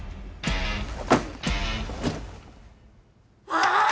ああ！